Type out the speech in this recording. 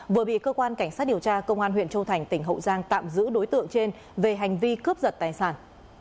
vừa bị cơ quan cảnh sát điều tra công an huyện châu thành tỉnh hậu giang tạm giữ đối tượng trên về hành vi cướp giật tài sản